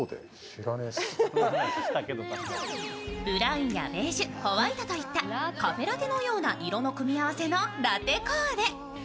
ブラウンやベージュ、ホワイトといったカフェラテのような色合いの組み合わせのラテコーデ。